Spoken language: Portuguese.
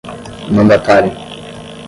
mandatário